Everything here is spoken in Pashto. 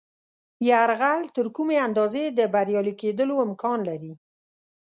یرغل تر کومې اندازې د بریالي کېدلو امکان لري.